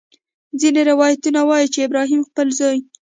ځینې روایتونه وایي چې ابراهیم خپل زوی.